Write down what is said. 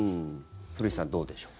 古市さん、どうでしょう。